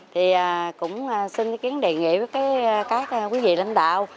thì cũng xin ý kiến đề nghị với các quý vị lãnh đạo